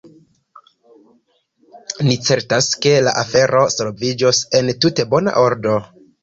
Ni certas, ke la afero solviĝos en tute bona ordo.